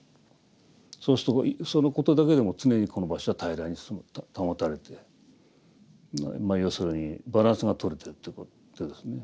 そうするとそのことだけでも常にこの場所は平らに保たれてまあ要するにバランスが取れてるということですね。